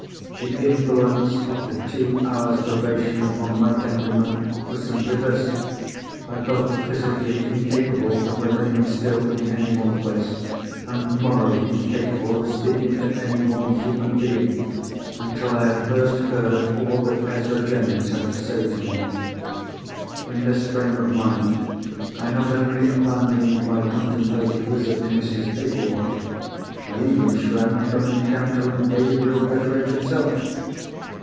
The influence of the two hours' probation upon my temperament was simply this. I felt physically incapable of remaining still in any one place, and morally incapable of speaking to any one human being, until I had first heard all that Ezra Jennings had to say to me. In this frame of mind, I not only abandoned my contemplated visit to Mrs. Ablewhite—I even shrank from encountering Gabriel Betteredge himself.